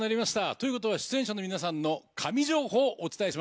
ということは出演者の皆さんの神情報お伝えしましょう。